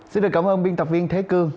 xin được cảm ơn biên tập viên thế cương